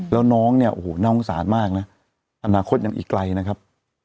แล้วน้องเนี่ยโอ้โหน่าสงสารมากนะอนาคตยังอีกไกลนะครับ